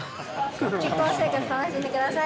結婚生活、楽しんでください。